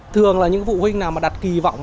thường là những phụ huynh nào mà đặt kỳ vọng